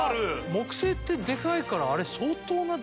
木星ってデカいからあれ相当なデカさ。